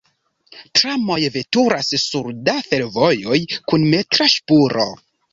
Tramoj veturas sur da fervojoj kun metra ŝpuro.